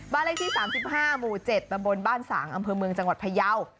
เลขที่๓๕หมู่๗ตำบลบ้านสางอำเภอเมืองจังหวัดพยาว